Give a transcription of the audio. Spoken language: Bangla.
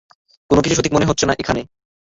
কোনোকিছু সঠিক মনে হচ্ছে না এখানে।